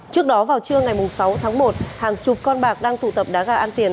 trước đó vào trưa ngày sáu tháng một hàng chục con bạc đang tụ tập đá gà ăn tiền